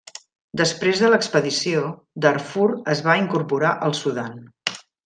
Després de l'expedició, Darfur es va incorporar al Sudan.